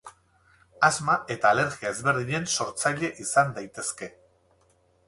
Asma eta alergia ezberdinen sortzaile izan daitezke.